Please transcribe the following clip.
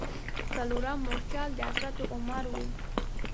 څلورم مورچل د حضرت عمر و.